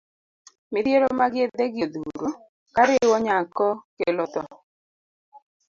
Midhiero mag yedhe gi odhuro kariwo nyako kelo tho.